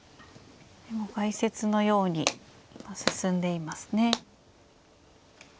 解説のように進んでいますね。